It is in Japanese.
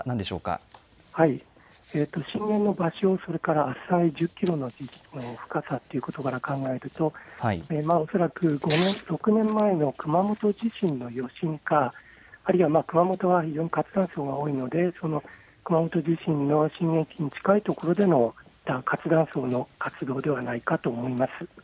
震源の場所、それから浅い、１０キロの深さというところから考えると、恐らく６年前の熊本地震の余震か、あるいは熊本は非常に活断層が多いので、その熊本地震の震源地に近いところでの活断層の活動ではないかと思います。